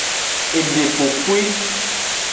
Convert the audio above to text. Edekpopwi.